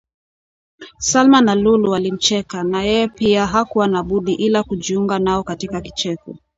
Salma na Lulu walimcheka na yeye pia hakuwa na budi ila kujiunga nao katika kicheko